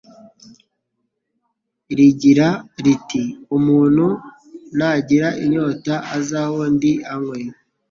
rigira riti: "Umuntu nagira inyota aze aho ndi anywe.